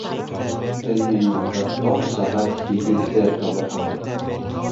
Һеҙ мине унда тап сәғәт һигеҙҙә табырһығыҙ.